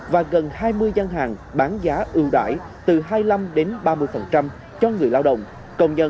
và gần hai mươi gian hàng bán giá ưu đải từ hai mươi năm đến ba mươi cho người lao động